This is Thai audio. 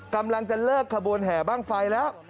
กำลังจะเลิกขบวนแห่บ้างไฟแล้ว